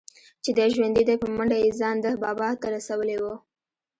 چې دى ژوندى دى په منډه يې ځان ده بابا ته رسولى و.